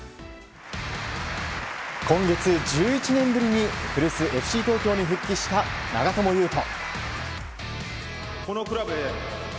今月１１年ぶりに古巣・ＦＣ東京に復帰した長友佑都。